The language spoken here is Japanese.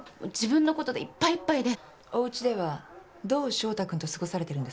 おウチではどう翔太君と過ごされてるんですか？